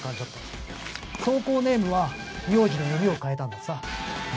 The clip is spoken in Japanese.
投稿ネームは名字の読みを変えたんだとさ。